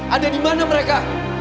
ada dimana mereka